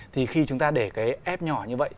thì khi chúng ta để cái ép nhỏ như vậy